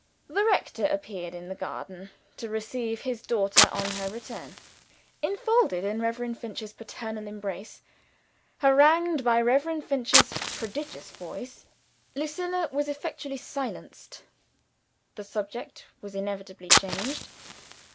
The rector appeared in the garden, to receive his daughter on her return. Enfolded in Reverend Finch's paternal embraces; harangued by Reverend Finch's prodigious voice, Lucilla was effectually silenced the subject was inevitably changed.